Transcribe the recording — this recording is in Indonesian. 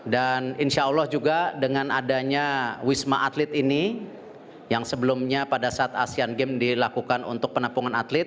dan insya allah juga dengan adanya wisma atlet ini yang sebelumnya pada saat asean games dilakukan untuk penampungan atlet